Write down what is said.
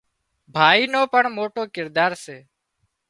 ڀائي نو پڻ موٽو ڪردار سي